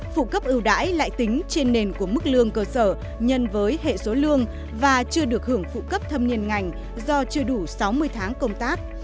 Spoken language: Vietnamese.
phụ cấp ưu đãi lại tính trên nền của mức lương cơ sở nhân với hệ số lương và chưa được hưởng phụ cấp thâm niên ngành do chưa đủ sáu mươi tháng công tác